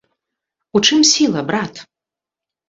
У чым сіла, брат?